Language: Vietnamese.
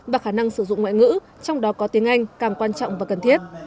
và khả năng sử dụng ngoại ngữ trong đó có tiếng anh càng quan trọng và cần thiết